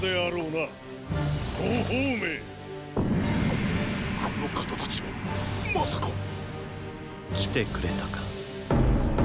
ここの方たちはまさか来てくれたか。